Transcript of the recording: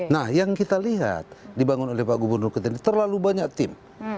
nah yang kita lihat dibangun oleh pak gubernur terlalu banyak tim